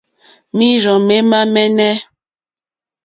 Mǐrzɔ̀ mémá mɛ́nɛ̌.